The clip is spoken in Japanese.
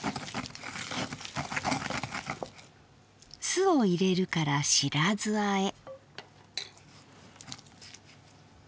酢を入れるから白酢あえ。